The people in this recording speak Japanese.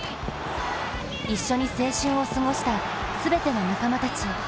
一緒に青春を過ごした全ての仲間たちへ。